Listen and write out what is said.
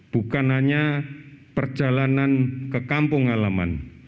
bukan hanya perjalanan ke kampung halaman